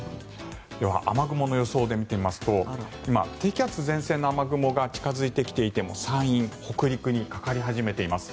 では、雨雲の予想で見てみますと今、低気圧・前線の雨雲が近付いてきていて山陰、北陸にかかり始めています。